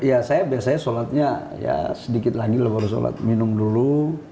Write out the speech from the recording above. ya saya biasanya sholatnya ya sedikit lagi lah baru sholat minum dulu